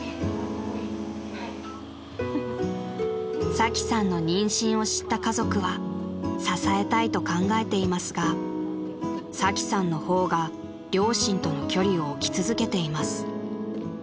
［サキさんの妊娠を知った家族は支えたいと考えていますがサキさんの方が両親との距離を置き続けています］